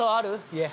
家。